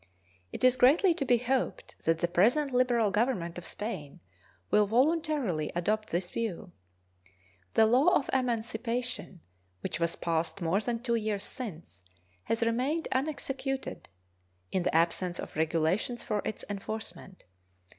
It is greatly to be hoped that the present liberal Government of Spain will voluntarily adopt this view. The law of emancipation, which was passed more than two years since, has remained unexecuted in the absence of regulations for its enforcement.